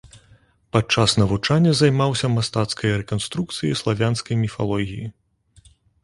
Падчас навучання займаўся мастацкай рэканструкцыяй славянскай міфалогіі.